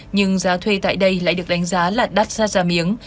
nhưng giá thuê tại đây lại được đánh giá là đắt ra giả miếng